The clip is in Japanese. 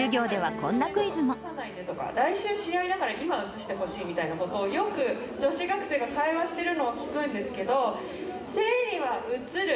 来週試合だから、今うつしてほしいみたいなことを、よく女子学生が会話してるのを聞くんですけど、生理はうつる？